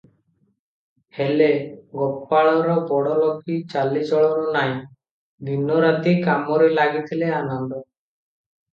ହେଲେ, ଗୋପାଳର ବଡ଼ଲୋକୀ ଚାଲିଚଳନ ନାଇଁ, ଦିନ ରାତି କାମରେ ଲାଗିଥିଲେ ଆନନ୍ଦ ।